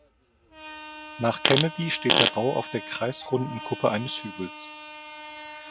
Nach Kennedy steht der Bau auf der kreisrunden Kuppe eines Hügels.